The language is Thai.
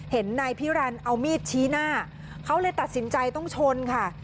เห็นนายพิรันดิเอามีดชี้หน้าเขาเลยตัดสินใจต้องชนค่ะ